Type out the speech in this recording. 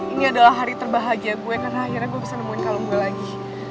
ini adalah hari terbahagia gue karena akhirnya gue bisa nemuin kalau gue lagi